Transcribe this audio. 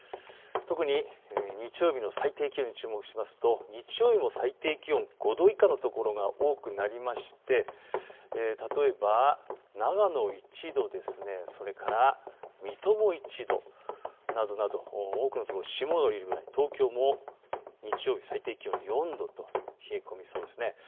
特に日曜日の最低気温に注目しますと、日曜日の最低気温５度以下の所が多くなりまして、例えば長野１度ですね、それから水戸も１度などなど、多くの所、霜の降りるぐらい、東京も日曜日最低気温４度と、冷え込みそうですね。